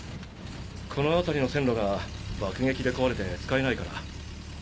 この辺りの線路が爆撃で壊れて使えないから。